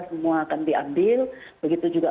semua akan diambil begitu juga